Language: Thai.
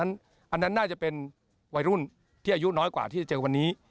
อันนั้นน่าจะเป็นวัยรุ่นที่อายุน้อยกว่าที่จะเจอวันนี้